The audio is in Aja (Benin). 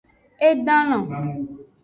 E dan lon.